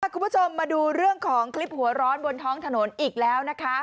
คุณผู้ชมมาดูเรื่องของคลิปหัวร้อนบนท้องถนนอีกแล้วนะคะ